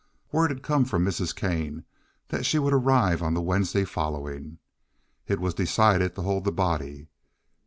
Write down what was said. Word had come from Mrs. Kane that she would arrive on the Wednesday following. It was decided to hold the body.